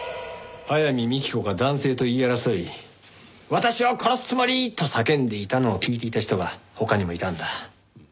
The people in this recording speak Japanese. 早見幹子が男性と言い争い私を殺すつもり！？と叫んでいたのを聞いていた人が他にもいたんだ。